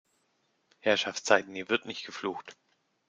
Herrschaftszeiten, hier wird nicht geflucht!